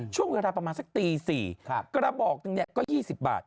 ช่วงเวลาประมาณสักตีสี่ครับกระบอกตรงเนี้ยก็ยี่สิบบาท